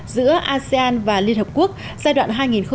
giữa asean và liên hợp quốc giai đoạn hai nghìn một mươi sáu hai nghìn hai mươi